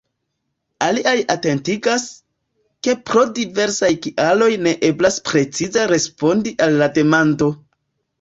Aliaj atentigas, ke pro diversaj kialoj ne eblas precize respondi al la demando.